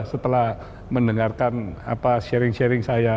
setelah mendengarkan sharing sharing saya